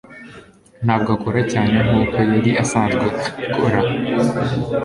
Ntabwo akora cyane nkuko yari asanzwe abikora